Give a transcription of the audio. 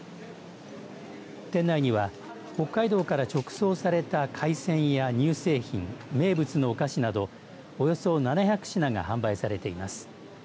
店内には北海道から直送された海鮮や乳製品名物のお菓子などおよそ７００品が販売されています。